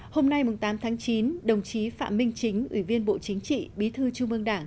hôm nay tám tháng chín đồng chí phạm minh chính ủy viên bộ chính trị bí thư trung ương đảng